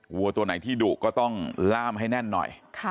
วัวตัวไหนที่ดุก็ต้องล่ามให้แน่นหน่อย